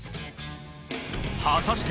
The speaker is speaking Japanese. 果たして